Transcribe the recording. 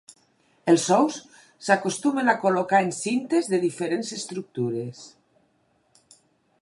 Els ous s'acostumen a col·locar en cintes de diferents estructures.